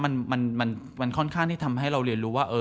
มันค่อนข้างที่ทำให้เราเรียนรู้ว่า